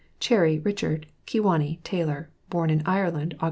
CHERRY RICHARD, Kewanee; Tailor; born in Ireland Aug.